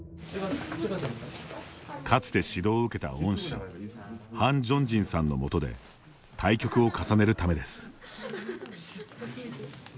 かつて指導を受けた恩師ハン・ジョンジンさんのもとで対局を重ねるためです。